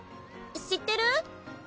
知ってる？